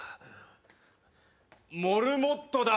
モルモットだ。